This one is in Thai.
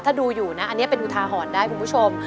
ถ้าดูอยู่นะอันนี้เป็นอุทาหรณ์ได้คุณผู้ชม